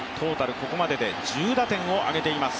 ここまでで１０打点を挙げています。